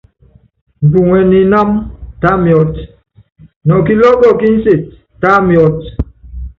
Mbuŋɛ ni inámɔ, tá miɔ́t, nɔ kilɔ́ɔ́kɔ ki nséti, tá miɔ́t.